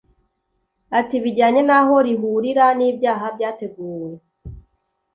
Ati “Bijyanye n’aho rihurira n’ibyaha byateguwe